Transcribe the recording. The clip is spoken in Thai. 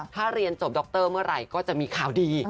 ถ้าเรียนจบดรเมื่อไหร่ก็จะมีข่าวดี